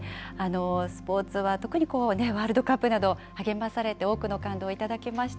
スポーツは特にワールドカップなど、励まされて、多くの感動を頂きました。